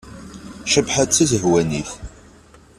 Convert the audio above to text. Cabḥa d tazehwanit.